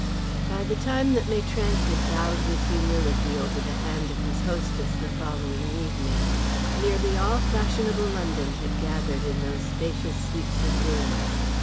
By the time that Maitrank had bowed with humility over the hand of his hostess the following evening nearly all fashionable London had gathered in those spacious suites of rooms.